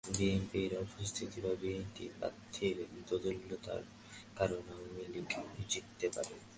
বিএনপির অপ্রস্তুতি বা বিএনপির প্রার্থীর দোদুল্যমানতার কারণে আওয়ামী লীগ জিততে পারে।